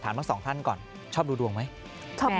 ทั้งสองท่านก่อนชอบดูดวงไหม